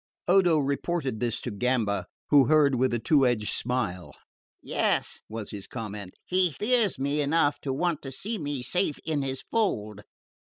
Odo reported this to Gamba, who heard with a two edged smile. "Yes," was his comment, "he fears me enough to want to see me safe in his fold."